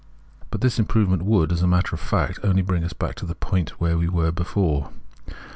But this im provement would, as a matter of fact, only bring us back to the point where we were before.